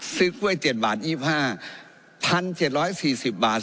ซื้อกล้วยเจ็ดบาทยี่บห้าพันเจ็ดร้อยสี่สิบบาท